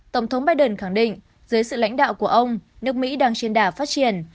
tổng thống biden khẳng định dưới sự lãnh đạo của ông nước mỹ đang trên đà phát triển